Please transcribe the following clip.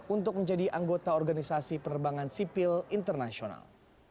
untuk menjadi anggota organisasi penerbangan sipil internasional